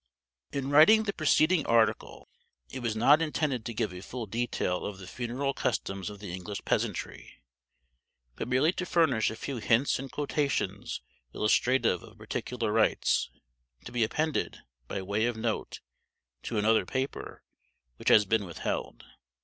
In writing the preceding article it was not intended to give a full detail of the funeral customs of the English peasantry, but merely to furnish a few hints and quotations illustrative of particular rites, to be appended, by way of note, to another paper, which has been withheld.